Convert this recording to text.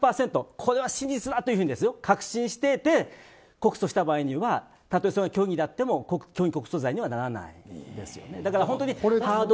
これは真実だというふうに確信していて告訴した場合にはたとえそれが虚偽であっても虚偽告訴罪にはならないんです。